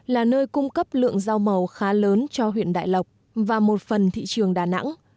là nơi cung cấp lượng rau màu khá lớn cho huyện đại lộc và một phần thị trường đà nẵng